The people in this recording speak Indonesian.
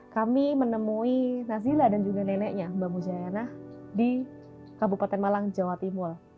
kami menemui nazila dan juga neneknya mbak mujayana di kabupaten malang jawa timur